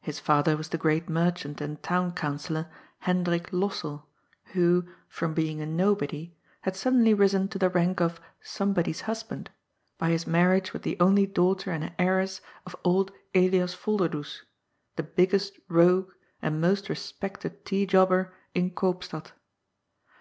His father was the great merchant and town councillor, Hendrik Lossell, who, from being a nobody, had suddenly risen to the rank of "somebody's husband" by his marriage with the only daughter and heiress of old Elias Volderdoes, the biggest rogue and most respected tea jobber in Koopstad.